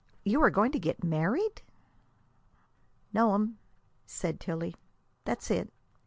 You are going to get married?" "No'm," said Tillie; "that's it."